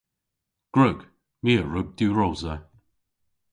Gwrug. My a wrug diwrosa.